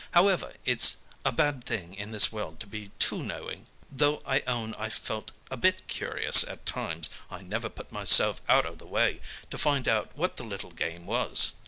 However, it's a bad thing in this world to be too knowing, so though I own I felt a bit curious at times, I never put myself out o' the way to find out what the little game was.